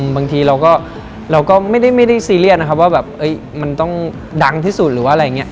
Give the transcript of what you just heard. บางทีเราก็ไม่ได้ซีเรียสนะครับว่าแบบมันต้องดังที่สุดหรือว่าอะไรอย่างนี้